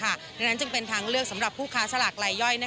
ดังนั้นจึงเป็นทางเลือกสำหรับผู้ค้าสลากลายย่อย